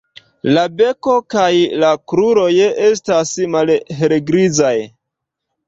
La beko kaj la kruroj estas malhelgrizaj.